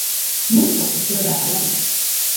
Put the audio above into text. Noizko espero da aldaketa?